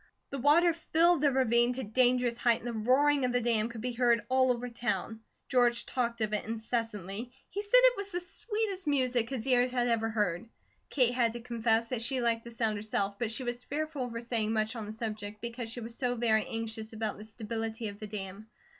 The water filled the ravine to dangerous height and the roaring of the dam could be heard all over town. George talked of it incessantly. He said it was the sweetest music his ears had ever heard. Kate had to confess that she like the sound herself, but she was fearful over saying much on the subject because she was so very anxious about the stability of the dam.